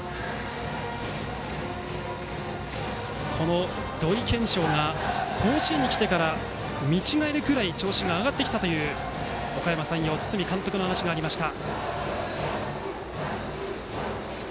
この土井研照が甲子園に来てから見違えるくらい調子が上がってきたというおかやま山陽の堤監督の話がありました。